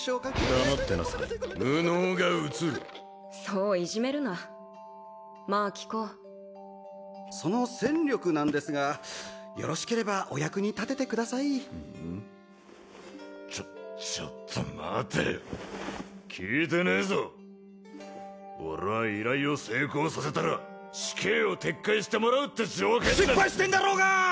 黙ってなさい無能がうつるそういじめるなまあ聞こうその戦力なんですがよろしければお役に立ててくださいちょちょっと待てよ聞いてねえぞ俺は依頼を成功させたら死刑を撤回してもらうって条件で失敗してんだろうが！